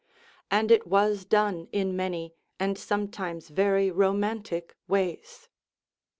And it was done in many, and sometimes very ro matic, ways.